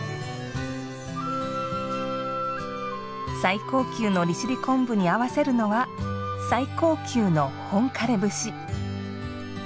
最高級の利尻昆布に合わせるのは最高級の本枯節。